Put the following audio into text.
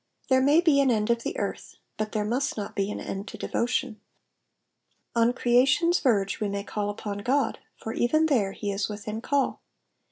There may be an end of the earth, but there must not be an end to devotion. On creation's verge we may call upon God, for even there he is within call.